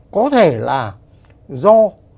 có thể là do